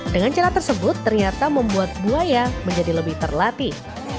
dengan cara tersebut ternyata membuat buaya menjadi lebih terlatih